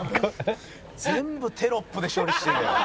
「全部テロップで処理してるやん」